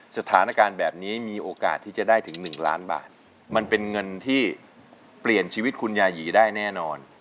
สถานการณ์แบบนี้มีโอกาสที่จะได้ถึง๑ล้านบาทมันเป็นเงินที่เปลี่ยนชีวิตคุณยายีได้แน่นอน